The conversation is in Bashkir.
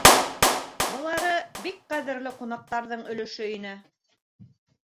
Былары бик ҡәҙерле ҡунаҡтарҙың өлөшө ине.